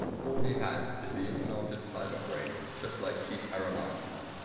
All he has is the implanted cyber-brain, just like Chief Aramaki.